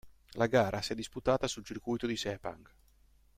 La gara si è disputata sul circuito di Sepang.